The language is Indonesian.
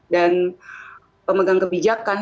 dan pemegang kebijakan